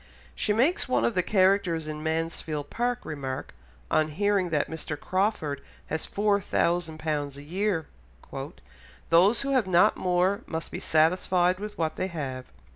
She makes one of the characters in Mansfield Park remark, on hearing that Mr. Crawford has four thousand pounds a year, "'Those who have not more must be satisfied with what they have.